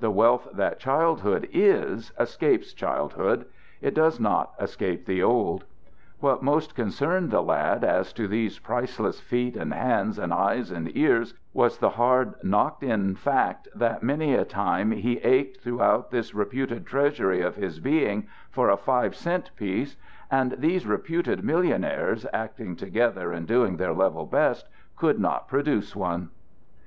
The wealth that childhood is, escapes childhood; it does not escape the old. What most concerned the lad as to these priceless feet and hands and eyes and ears was the hard knocked in fact that many a time he ached throughout this reputed treasury of his being for a five cent piece, and these reputed millionaires, acting together and doing their level best, could not produce one.